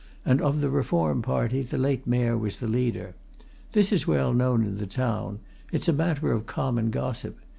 "And of the Reform party, the late Mayor was the leader. This is well known in the town it's a matter of common gossip.